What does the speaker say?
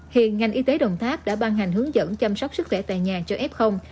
hiện ngành y tế đồng tháp đã ban hành hướng dẫn chăm sóc sức khỏe tại nhà cho f